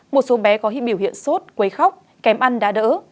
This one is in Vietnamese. một số bé có hình biểu hiện sốt quấy khóc kém ăn đã đỡ